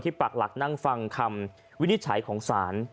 ปักหลักนั่งฟังคำวินิจฉัยของศาล